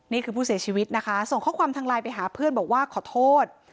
นี่คือผู้เสียชีวิตนะคะส่งข้อความทางไลน์ไปหาเพื่อนบอกว่าขอโทษ